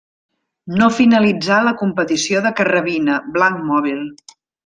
No finalitzà la competició de carrabina, blanc mòbil.